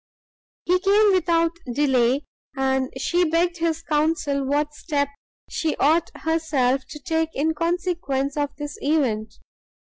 He came without delay, and she begged his counsel what step she ought herself to take in consequence of this event.